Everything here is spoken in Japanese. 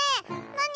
「なに？